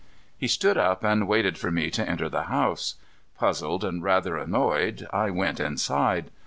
He stood up and waited for me to enter the house. Puzzled, and rather annoyed, I went inside.